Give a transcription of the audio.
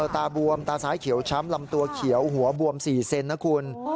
ตาบวมตาซ้ายเขียวช้ำลำตัวเขียวหัวบวม๔เซนนะคุณ